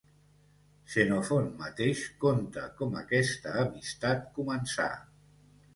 Xenofont mateix conta com aquesta amistat començà